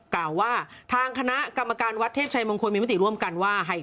กล่าวว่าทางคณะกรรมการวัดเทพชัยมงคลมีมติร่วมกันว่า